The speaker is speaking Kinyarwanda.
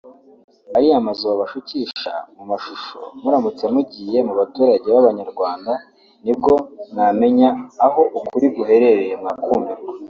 Ariya mazu babashukisha mu mashusho muramutse mugiye mu baturage b’abanyarwanda nibwo mwamenya aho ukuri guherereye mwakumirwa